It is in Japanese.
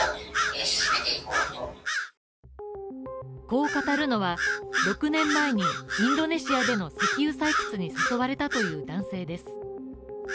こう語るのは６年前にインドネシアでの石油採掘に誘われたという男性です。